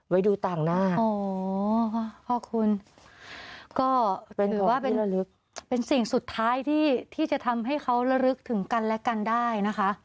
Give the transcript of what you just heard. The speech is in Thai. ไว้ดูต่างหน้าอ๋อพ่อคุณก็ถือว่าเป็นสิ่งสุดท้ายที่จะทำให้เขาระลึกถึงกันและกันได้นะคะ